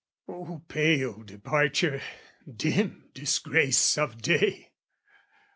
O pale departure, dim disgrace of day!